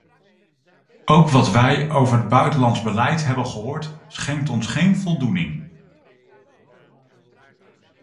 Ook wat wij over het buitenlands beleid hebben gehoord schenkt ons geen voldoening.